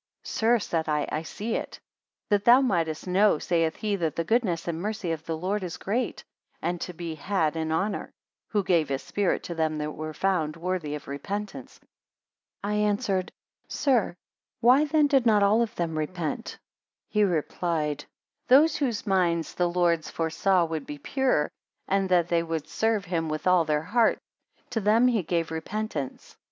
Sir, said I, I see it. 46 That thou mightest know saith he, that the goodness and mercy of the Lord is great, and to be had in honour; who gave his spirit to them that were found worthy of repentance. 47 I answered, Sir, why then did not all of them repent? He replied, Those whose minds the Lords foresaw would be pure, and that they would serve him with all their hearts, to them he gave repentance.